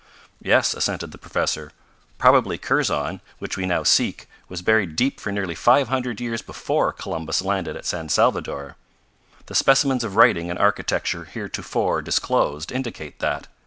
"Yes," assented the professor. "Probably Kurzon, which we now seek, was buried deep for nearly five hundred years before Columbus landed at San Salvadore. The specimens of writing and architecture heretofore disclosed indicate that.